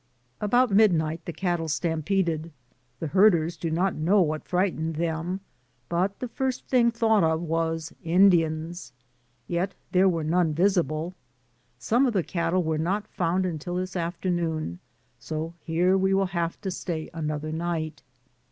About midnight the cattle stampeded, the herders do not know what frightened them, but the first thing thought of was Indians, yet there were none visible. Some of the cattle were not found until this afternoon, so here we will have to stay another night.